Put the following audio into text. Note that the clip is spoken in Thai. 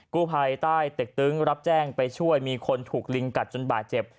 กู้ภัยใต้เต็กตึงรับแจ้งไปช่วยมีคนถูกลิงกัดจนบาดเจ็บ